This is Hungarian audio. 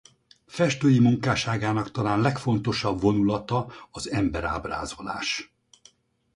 Festői munkásságának talán legfontosabb vonulata az emberábrázolás.